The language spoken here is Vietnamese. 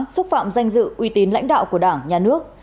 xúc phạm danh dự uy tín lãnh đạo của đảng nhà nước